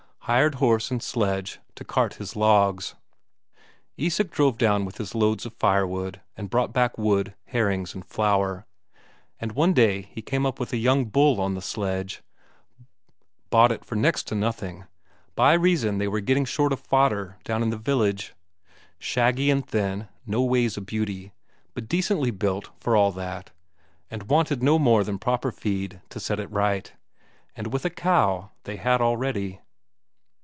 Hired horse and sledge to cart his logs. Isak drove down with his loads of firewood, and brought back food, herrings and flour. And one day he came up with a young bull on the sledge; bought it for next to nothing, by reason they were getting short of fodder down in the village. Shaggy and thin, no ways a beauty, but decently built for all that, and wanted no more than proper feed to set it right. And with a cow they had already....